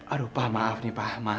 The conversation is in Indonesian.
aduh pak maaf nih pak ahmad